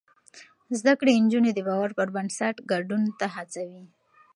زده کړې نجونې د باور پر بنسټ ګډون هڅوي.